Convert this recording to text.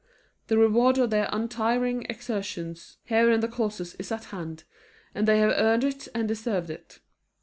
The reward of their untiring exertions here in the courses is at hand, and they have earned it and deserved it.